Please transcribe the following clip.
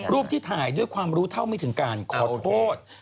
รูปที่ถ่ายด้วยความรู้เท่าไม่ถึงการขอโทษ